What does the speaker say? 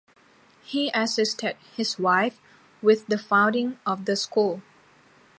He assisted his wife with the founding of the school.